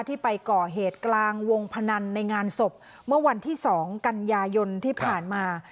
ที่ไปก่อเหตุกลางวงพนันในงานศพเมื่อวันที่๒กันยายนที่ผ่านมา